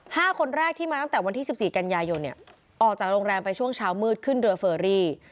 ห้าคนแรกที่มาตั้งแต่วันที่สิบสี่กันยายนเนี่ยออกจากโรงแรมไปช่วงเช้ามืดขึ้นเรือเฟอรี่